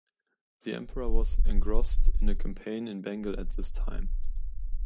The Emperor was engrossed in a campaign in Bengal at this time.